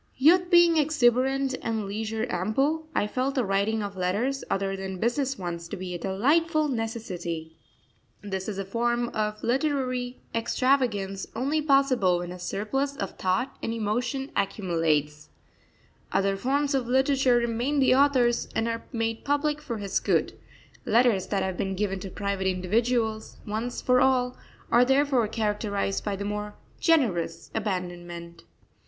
Youth being exuberant and leisure ample, I felt the writing of letters other than business ones to be a delightful necessity. This is a form of literary extravagance only possible when a surplus of thought and emotion accumulates. Other forms of literature remain the author's and are made public for his good; letters that have been given to private individuals once for all, are therefore characterised by the more generous abandonment.